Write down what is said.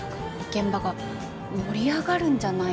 現場が盛り上がるんじゃないかと。